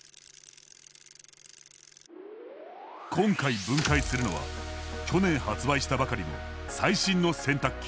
今回分解するのは去年発売したばかりの最新の洗濯機。